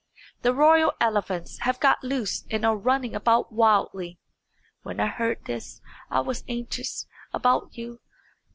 The royal elephants have got loose and are running about wildly. When I heard this I was anxious about you.